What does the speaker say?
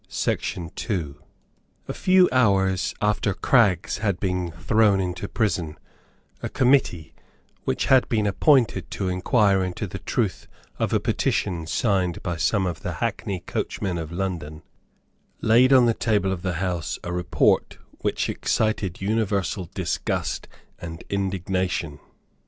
A few hours after Craggs had been thrown into prison, a committee, which had been appointed to inquire into the truth of a petition signed by some of the hackney coachmen of London, laid on the table of the House a report which excited universal disgust and indignation.